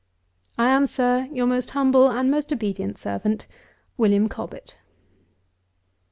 I am, Sir, your most humble and most obedient servant, WM. COBBETT. 221.